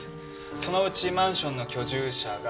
そのうちマンションの居住者が。